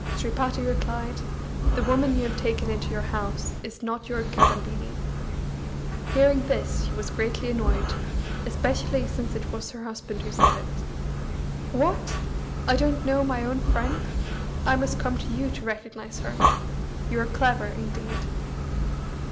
Sripati replied: "The woman you have taken into your house is not your Kadambini." Hearing this, she was greatly annoyed, especially since it was her husband who said it. "What! I don't know my own friend? I must come to you to recognise her! You are clever, indeed!"